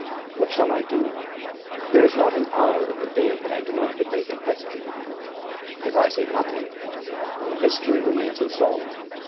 What shall I do? There is not an hour in the day that I do not debate the question. If I say nothing, then the mystery remains unsolved.